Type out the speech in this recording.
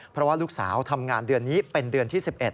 เพราะว่าลูกสาวทำงานเดือนนี้เป็นเดือนที่๑๑